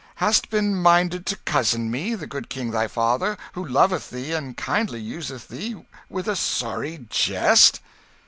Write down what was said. Hast been minded to cozen me, the good King thy father, who loveth thee, and kindly useth thee, with a sorry jest?"